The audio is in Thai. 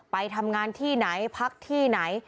ไปทำงานที่ไหนพักที่ไหน